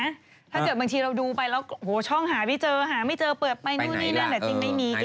ถ้าเกิดบางทีเราดูไปแล้วช่องหาไม่เจอหาไม่เจอเปิดไปนู่นนี่นั่น